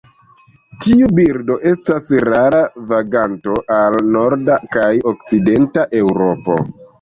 Tiu birdo estas rara vaganto al norda kaj okcidenta Eŭropo.